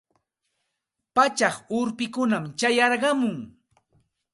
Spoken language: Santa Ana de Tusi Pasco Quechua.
Pachak urpikunam chayarqamun.